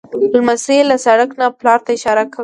لمسی له سړک نه پلار ته اشاره کوي.